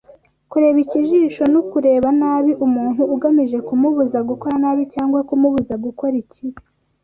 Kureba ikijisho n’ ukureba nabi umuntu, ugamije kumubuza gukora nabi, cyangwa kumubuza gukora ikibi